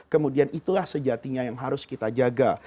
kemudian itulah sejatinya yang harus kita jaga